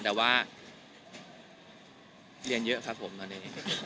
แต่ว่าเรียนเยอะครับผมตอนนี้